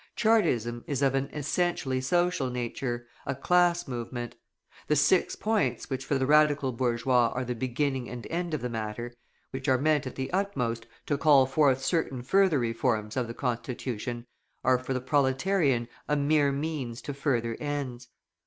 Chartism is of an essentially social nature, a class movement. The "Six Points" which for the Radical bourgeois are the beginning and end of the matter, which are meant, at the utmost, to call forth certain further reforms of the Constitution, are for the proletarian a mere means to further ends.